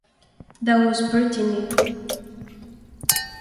That was pretty neat.